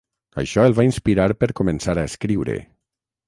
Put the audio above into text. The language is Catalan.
Això el va inspirar per començar a escriure.